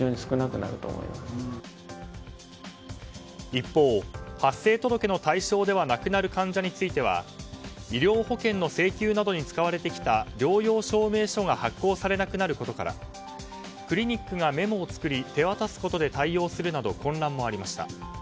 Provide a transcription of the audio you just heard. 一方、発生届の対象ではなくなる患者については医療保険の請求などに使われてきた療養証明書が発行されなくなることからクリニックがメモを作り手渡すことで対応するなど混乱もありました。